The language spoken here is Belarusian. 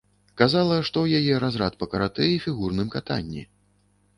Казала, што ў яе разрад па каратэ і фігурным катанні.